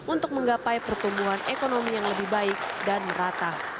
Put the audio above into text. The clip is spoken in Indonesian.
untuk menggapai pertumbuhan ekonomi yang lebih baik dan merata